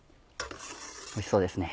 おいしそうですね。